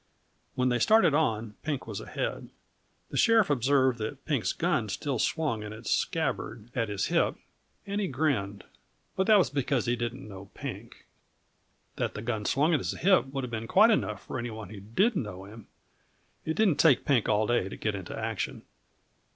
When they started on, Pink was ahead. The sheriff observed that Pink's gun still swung in its scabbard at his hip, and he grinned but that was because he didn't know Pink. That the gun swung at his hip would have been quite enough for any one who did know him; it didn't take Pink all day to get into action.